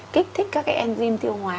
kích thích các cái enzyme tiêu hóa